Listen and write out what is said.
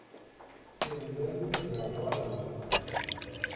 Era endemica della Guadalupa.